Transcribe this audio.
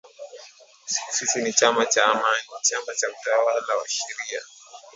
“Sisi ni chama cha Amani, chama cha utawala wa sheria."